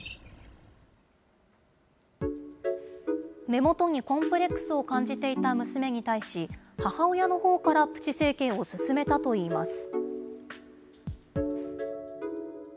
目元にコンプレックスを感じていた娘に対し、母親のほうからプチ整形を勧めたといいます。